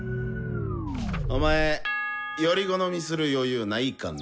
お前より好みする余裕ないかんね。